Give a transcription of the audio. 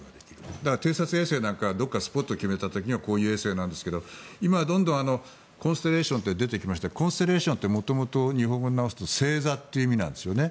だから、偵察衛星なんかはどこかスポットを決めた時にはこういう衛星なんですがコンステレーションって出てきましたけどコンステレーションって元々日本語に直すと星座という意味なんですよね。